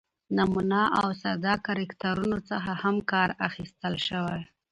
،نمونه او ساده کرکترونو څخه هم کار اخستل شوى